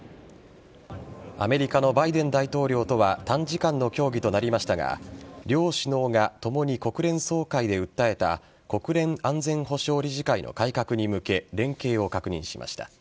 アメリカのバイデン大統領とは短時間の協議となりましたが両首脳が共に国連総会で訴えた国連安全保障理事会の改革に向け連携を確認しました。